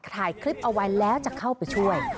ถ่ายคลิปเอาไว้แล้วจะเข้าไปช่วย